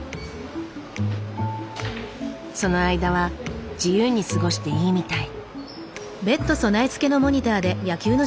その間は自由に過ごしていいみたい。